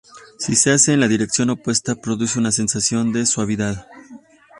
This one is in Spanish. Si se hace en la dirección opuesta, produce una sensación de suavidad.